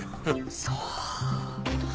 そう。